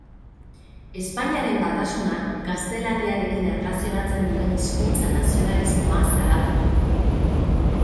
Espainiaren batasuna gaztelaniarekin erlazionatzen duen hizkuntza-nazionalismoa salatu du.